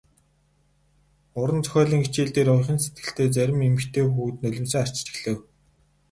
Уран зохиолын хичээл дээр уяхан сэтгэлтэй зарим эмэгтэй хүүхэд нулимсаа арчиж эхлэв.